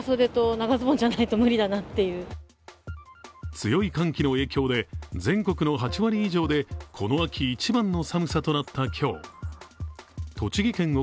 強い寒気の影響で全国の８割以上でこの秋一番の寒さとなった今日栃木県奥